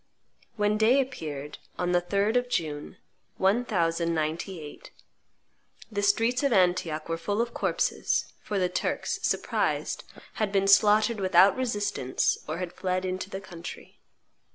When day appeared, on the 3d of June, 1098, the streets of Antioch were full of corpses; for the Turks, surprised, had been slaughtered without resistance or had fled into the country.